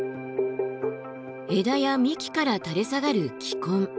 枝や幹から垂れ下がる気根。